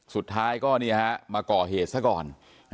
สุดท้ายก็มาก่อเหตุซะก่อน